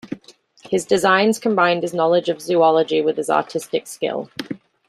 His designs combined his knowledge of zoology with his artistic skill.